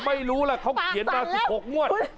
ไม่รู้ล่ะเขาเขียนมา๑๖งวด